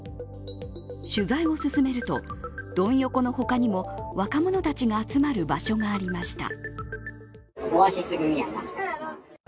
取材を進めると、ドン横の他にも若者たちが集まる場所がありました。